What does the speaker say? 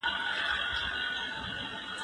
زه به سپينکۍ مينځلي وي،